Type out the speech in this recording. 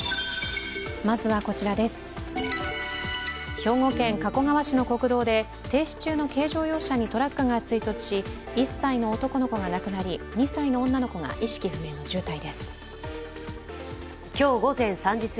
兵庫県加古川市の国道で停止中の軽乗用車にトラックが追突し１歳の男の子が亡くなり、２歳の女の子が意識不明の重体です。